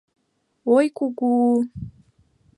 Ой, кугу-у-у!..